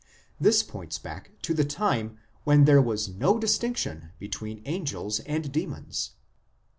This points back to the time when there was no distinction between angels and demons.